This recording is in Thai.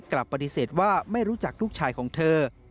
กลับปฏิเสธว่าไม่รู้จักลูกชายของเธอ